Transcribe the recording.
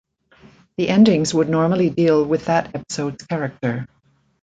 The endings would normally deal with that episode's character.